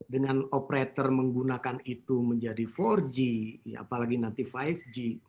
dengan operator menggunakan itu menjadi empat g apalagi nanti lima g